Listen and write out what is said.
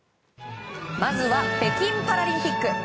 まずは北京パラリンピック。